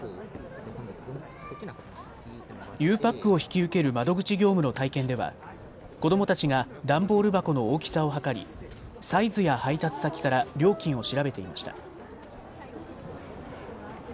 ゆうパックを引き受ける窓口業務の体験では子どもたちが段ボール箱の大きさを測りサイズや配達先から料金を調べていました。